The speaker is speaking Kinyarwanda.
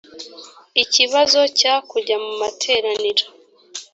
ikibazo cya kujya mu materaniro